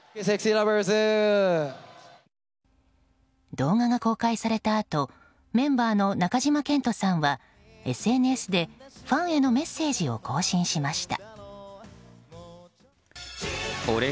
動画が公開されたあとメンバーの中島健人さんはＳＮＳで、ファンへのメッセージを更新しました。